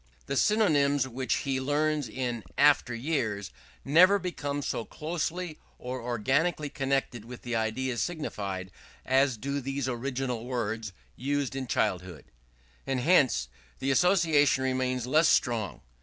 _ The synonyms which he learns in after years, never become so closely, so organically connected with the ideas signified, as do these original words used in childhood; and hence the association remains less strong.